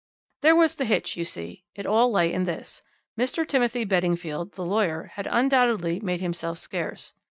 "There was the hitch, you see; it all lay in this. Mr. Timothy Beddingfield, the lawyer, had undoubtedly made himself scarce.